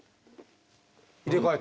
入れ替えた。